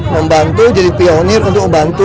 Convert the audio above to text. membantu jadi pionir untuk membantu